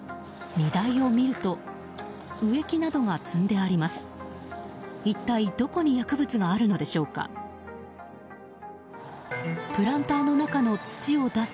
荷台を見ると植木などが積んであります。